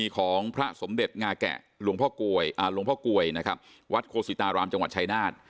ของพระสมเด็จงาแกะหลวงพ่อกลวยนะครับวัดโคศิตารามจังหวัดชายนาฏ